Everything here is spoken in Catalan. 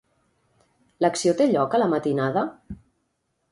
L'acció té lloc a la matinada?